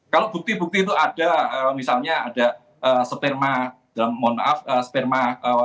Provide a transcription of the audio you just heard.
kalau bukti bukti itu ada misalnya ada sperma dalam mohon maaf sperma